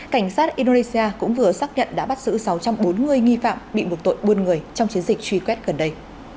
cảnh sát indonesia cũng vừa xác nhận đã bắt giữ sáu trăm bốn mươi nghi phạm bị buộc tội buôn người trong chiến dịch truy quét gần đây